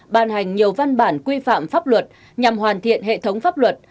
ban hành nhiều văn bản quy phạm pháp luật nhằm hoàn thiện hệ thống pháp luật